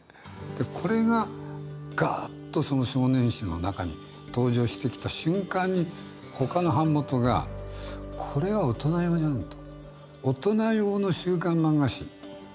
これがガッとその少年誌の中に登場してきた瞬間に他の版元がこれは大人用じゃんと。